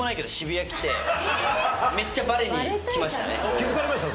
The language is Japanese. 気付かれました？